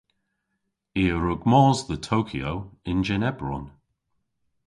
I a wrug mos dhe Tokyo yn jynn ebron.